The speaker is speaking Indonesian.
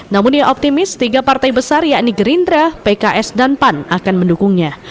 namun dia optimis tiga partai besar yakni gerindra pks dan pan akan mendukungnya